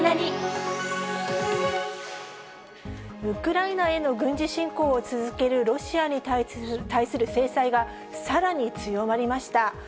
ウクライナへの軍事侵攻を続ける、ロシアに対する制裁が、さらに強まりました。